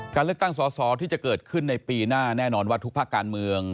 การเลือกตั้งสอสอที่จะเกิดขึ้นในปีหน้าแน่นอนว่าทุกภาคการเมือง